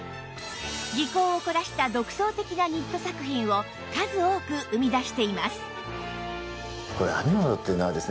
技巧を凝らした独創的なニット作品を数多く生み出しています